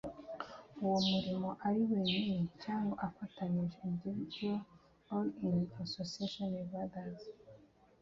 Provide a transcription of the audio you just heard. uwo murimo ari wenyine cyangwa afatanyije individually or in association with other